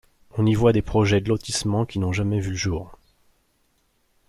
On y voit des projets de lotissement qui n'ont jamais vu le jour.